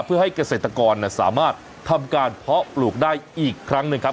เพื่อให้เกษตรกรสามารถทำการเพาะปลูกได้อีกครั้งหนึ่งครับ